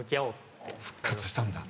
復活したんだ。